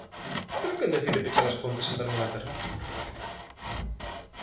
¿Pero quen decide pechar As Pontes sen dar unha alternativa?